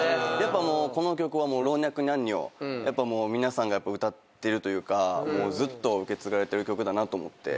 この曲はもう老若男女皆さんが歌ってるというかずっと受け継がれてる曲だなと思って。